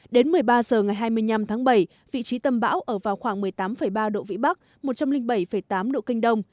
đến một mươi ba h ngày hai mươi năm tháng bảy vị trí tâm bão ở vào khoảng một mươi tám ba độ vĩ bắc một trăm linh bảy tám độ kinh đông